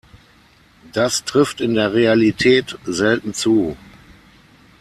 Das trifft in der Realität selten zu.